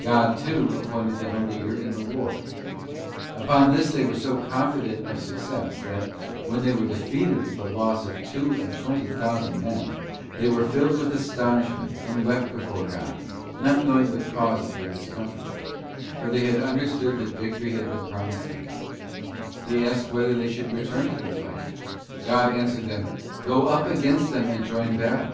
God, too, appointed them a leader in the war. Upon this they were so confident of success that, when they were defeated with the loss of two and twenty thousand men, they were filled with astonishment, and wept before God, not knowing the cause of their discomfiture, for they had understood that victory had been promised them, They asked whether they should return to the fight; God an swered them, 'Go up against them and join battle.